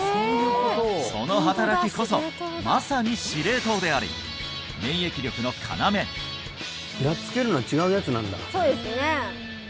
その働きこそまさに司令塔でありやっつけるのは違うやつなんだそうですね